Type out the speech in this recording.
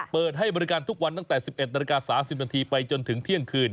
เปิดให้บริการทุกวันตั้งแต่๑๑นาฬิกา๓๐นาทีไปจนถึงเที่ยงคืน